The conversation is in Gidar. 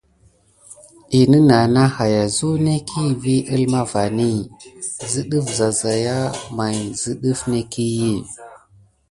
Hine ké na haya zuneki vi əlma vani zə ɗəf zayzay may zə ɗəf nekiy.